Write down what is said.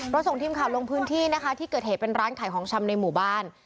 ส่งทีมข่าวลงพื้นที่นะคะที่เกิดเหตุเป็นร้านขายของชำในหมู่บ้าน